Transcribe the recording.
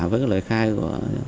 với lời khai của